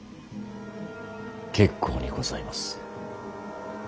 結構にございます。